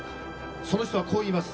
その人はこう言います。